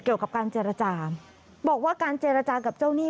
เกี่ยวกับการเจรจากับเจ้านี่